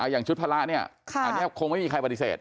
อย่างชุดพระเนี่ยอันนี้คงไม่มีใครปฏิเสธ